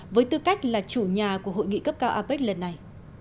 với tư cách là chủ nhà của hội nghị cấp cao apec lần này